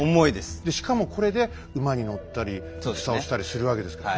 でしかもこれで馬に乗ったり戦をしたりするわけですからね。